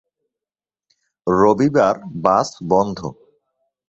রবিবার বাস বন্ধ।